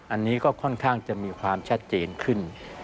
อันนี้ก็ค่อนข้างจะมีความชัดเจนขึ้น